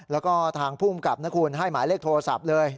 แล้วก็ทางภูมิกับนะคุณให้หมายเลขโทรศัพท์เลย